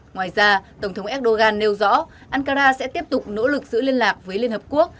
ngoài ra tổng thống erdogan nêu rõ ankara sẽ tiếp tục nỗ lực giữ liên lạc với liên hợp quốc